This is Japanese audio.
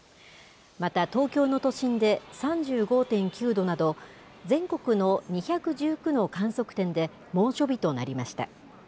また、東京の都心で３５．９度など、全国の２１９の観測点で猛暑日となりました。